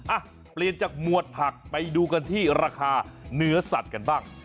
อ่ะเปลี่ยนจากหมวดผักไปดูกันที่ราคาเนื้อสัตว์กันบ้าง